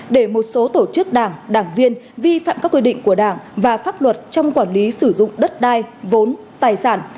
để một số tổ chức đảng đảng viên vi phạm các quy định của đảng và pháp luật trong quản lý sử dụng đất đai vốn tài sản